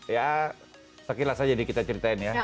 ya sekilas aja deh kita ceritain ya